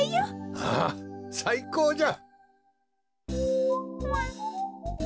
ああさいこうじゃ！